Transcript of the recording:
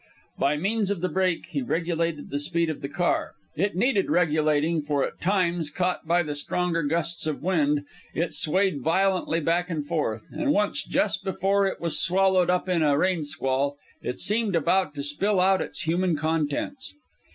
By means of the brake he regulated the speed of the car. It needed regulating, for at times, caught by the stronger gusts of wind, it swayed violently back and forth; and once, just before it was swallowed up in a rain squall, it seemed about to spill out its human contents.